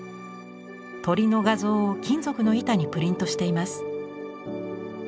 鳥の画像を金属の板にプリントしています。